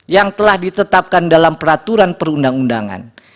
yang telah ditetapkan dalam peraturan perundang undangan